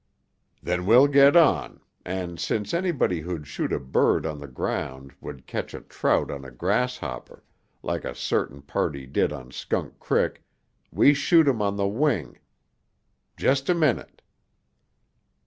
"Then we'll get on, and since anybody who'd shoot a bird on the ground would catch a trout on a grasshopper, like a certain party did on Skunk Crick, we shoot 'em on the wing. Just a minute."